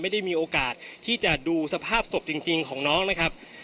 ไม่ได้มีโอกาสที่จะดูสภาพศพจริงของน้องนะครับ